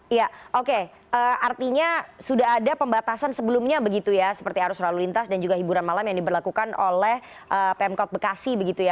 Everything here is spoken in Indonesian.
iya oke artinya sudah ada pembatasan sebelumnya begitu ya seperti arus lalu lintas dan juga hiburan malam yang diberlakukan oleh pemkot bekasi begitu ya